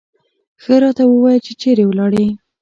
ښه راته ووایه چې چېرې ولاړې.